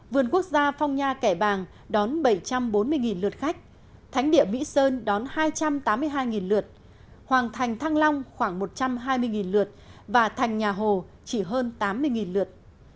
vườn quốc gia phong nha kẻ bàng đón bảy trăm bốn mươi lượt khách thánh địa mỹ sơn đón hai trăm tám mươi hai lượt hoàng thành thăng long khoảng một trăm hai mươi lượt và thành nhà hồ chỉ hơn tám mươi lượt